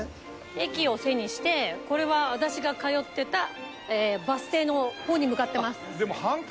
駅を背にしてこれは私が通ってたバス停の方に向かってます。